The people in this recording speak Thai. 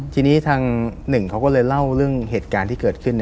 ทีนี้ทางหนึ่งเขาก็เลยเล่าเรื่องเหตุการณ์ที่เกิดขึ้น